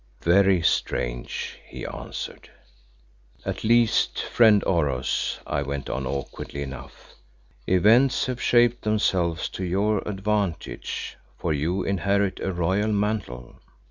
"Very strange," he answered. "At least, friend Oros," I went on awkwardly enough, "events have shaped themselves to your advantage, for you inherit a royal mantle."